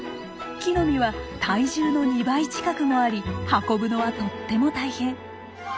木の実は体重の２倍近くもあり運ぶのはとっても大変。